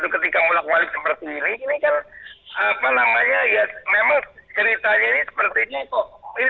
ketika mulai mulai seperti ini ini kan apa namanya ya memang ceritanya ini sepertinya kok